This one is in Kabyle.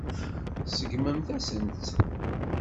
Tseggmem-asent-tt.